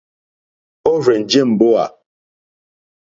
Ó rzènjé mbówà.